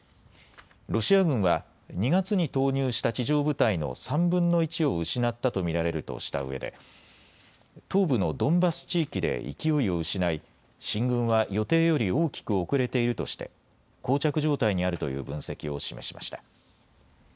ロシア軍は２月に投入した地上部隊の３分の１を失ったと見られるとしたうえで東部のドンバス地域で勢いを失い進軍は予定より大きく遅れているとして、こう着状態にあるという分析を示しました。